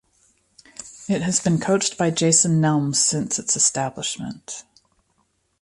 It has been coached by Jason Nelms since its establishment.